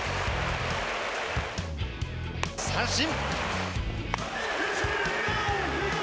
三振。